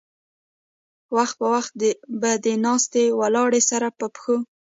وخت پۀ وخت به د ناستې ولاړې سره پۀ پښو